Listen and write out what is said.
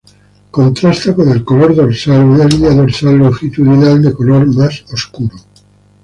Contrasta con el color dorsal una línea dorsal longitudinal de color más oscuro.